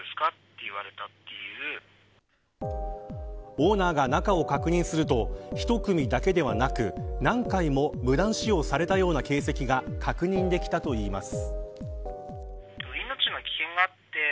オーナーが中を確認すると１組だけではなく、何回も無断使用されたような形跡が確認できたといいます。